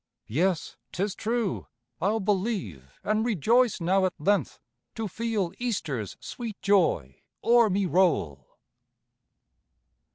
Yes, 'tis true. I'll believe, and rejoice now at length To feel Easter's sweet joy o'er me roll.